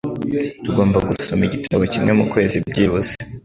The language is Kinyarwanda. Tugomba gusoma igitabo kimwe mukwezi byibuze.